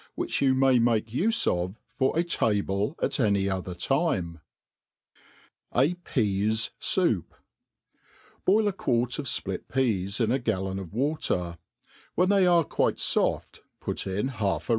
^ ^hich you aiaj d^ake ufe of fpr a Table at any pther Time^ « jf Pias Soup* BOIL a qu^rt of fplit pcas in a gallon of water; when they are quite foft put in half a.